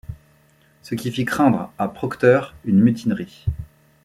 Ce qui fit craindre à Procter une mutinerie.